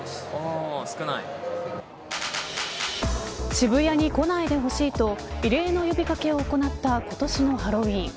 渋谷に来ないでほしいと異例の呼び掛けを行った今年のハロウィーン。